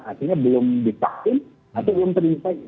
artinya belum dipakai atau belum terinsai